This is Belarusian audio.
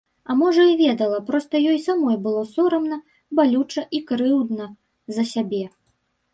А можа і ведала, проста ёй самой было сорамна, балюча і крыўдна за сябе.